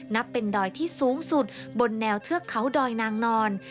นับเป็นดอยที่สูงสุดบนแนวเทือกเขาดอยนางนอน